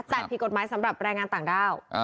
แต่ผิดกฎหมายสำหรับแรงงานต่างด้าว